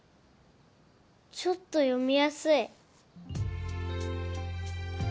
ちょっと読みやすい。